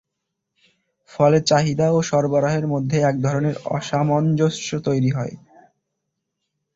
ফলে চাহিদা ও সরবরাহের মধ্যে একধরনের অসামঞ্জস্য তৈরি হয়।